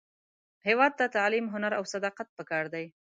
هیواد ته تعلیم، هنر، او صداقت پکار دی